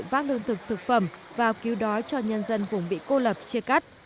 vác lương thực thực phẩm vào cứu đói cho nhân dân vùng bị cô lập chia cắt